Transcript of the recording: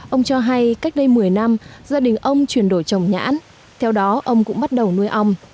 ông cho hay cách đây một mươi năm gia đình ông chuyển đổi trồng nhãn theo đó ông cũng bắt đầu nuôi ong